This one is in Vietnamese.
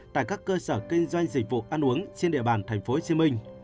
tại các cơ sở kinh doanh dịch vụ ăn uống trên địa bàn tp hcm